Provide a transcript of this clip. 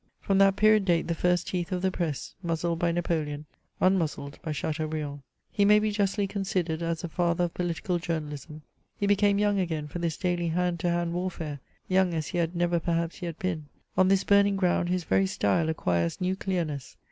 From that period date the first teeth of the press, muzzled by Napoleon, unmuzzled by Chateaubriand. He may be justly considered as the father of political journa lism. He became young again for this daily hand to hand warfiure — ^youtig as he had never perhaps yet been. On this burning ground his very style acquires new clearness.